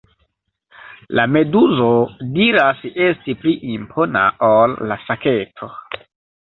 La meduzo diras esti pli impona ol la saketo.